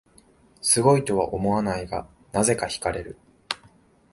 すごいとは思わないが、なぜか惹かれる